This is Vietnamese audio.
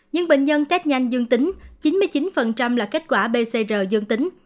những bệnh nhân tết nhanh dân tính chín mươi chín là kết quả pcr dân tính